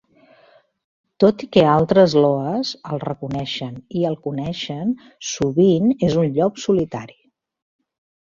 Tot i que altres Loas el reconeixen i el coneixen, sovint és un Llop Solitari.